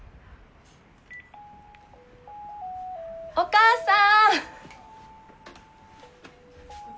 お母さん！